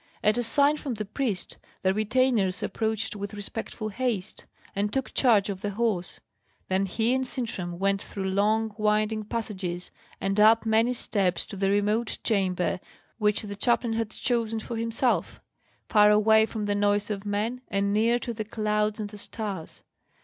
At a sign from the priest, the retainers approached with respectful haste, and took charge of the horse; then he and Sintram went through long winding passages and up many steps to the remote chamber which the chaplain had chosen for himself; far away from the noise of men, and near to the clouds and the stars.